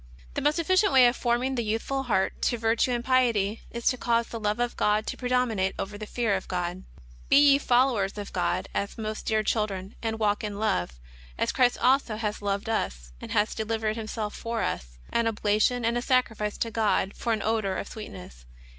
The most efficient way of forming the youthful heart to vir tue and piety is to cause the love of God to predominate over the fear of God :" Be ye followers of God, as most dear children ; and walk in love, as Christ also hath loved us, and hath delivered Himself for us, an ob lation and a sacrifice to God for an odour of sweetness."